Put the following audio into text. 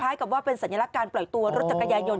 กับว่าเป็นสัญลักษณ์การปล่อยตัวรถจักรยายนต